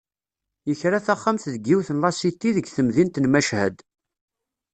Yekra taxxamt deg yiwet n lasiti deg temdint n Machad.